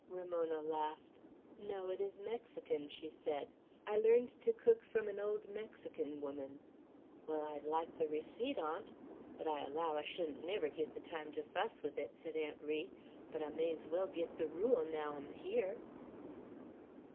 Ramona laughed. "No; it is Mexican," she said. "I learned to cook from an old Mexican woman." "Wall, I'd like the receipt on't; but I allow I shouldn't never git the time to fuss with it," said Aunt Ri; "but I may's well git the rule, naow I'm here."